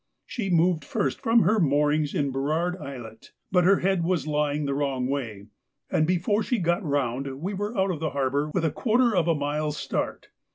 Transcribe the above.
She moved first from her moorings in Burrard Islet, but her head was lying the wrong way, and before she got round we were out of the harbour with a quarter of a mile's start.